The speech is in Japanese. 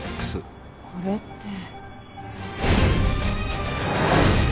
これって。